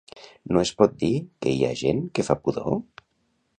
No és pot dir que hi ha gent que fa pudor?